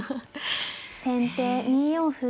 先手２四歩。